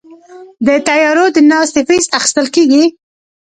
د طیارو د ناستې فیس اخیستل کیږي؟